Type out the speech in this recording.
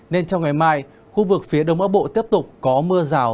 nên trong ngày mai khu vực phía đông bắc bộ tiếp tục có mưa rào